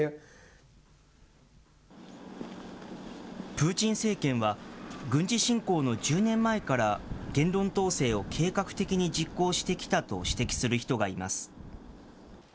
プーチン政権は、軍事侵攻の１０年前から、言論統制を計画的に実行してきたと指摘する人がいます。